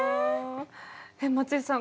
松井さん